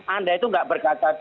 anda itu enggak berkata diri